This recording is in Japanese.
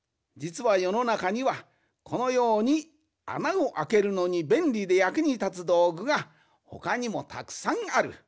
じつはよのなかにはこのようにあなをあけるのにべんりでやくにたつどうぐがほかにもたくさんある。